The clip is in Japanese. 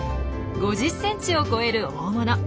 ５０ｃｍを超える大物。